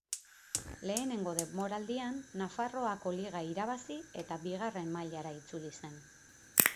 Lehenengo denboraldian Nafarroako Liga irabazi eta Bigarren mailara itzuli zen.